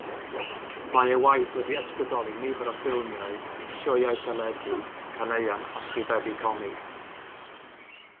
Mae ei waith wedi ysbrydoli nifer o ffilmiau, sioeau teledu, caneuon a stribedi comig.